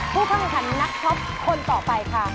ผู้เข้าแข่งขันนักช็อปคนต่อไปค่ะ